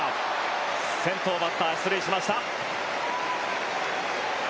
先頭バッター出塁しました。